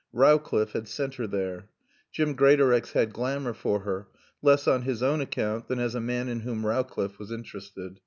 Rowcliffe had sent her there. Jim Greatorex had glamour for her, less on his own account than as a man in whom Rowcliffe was interested.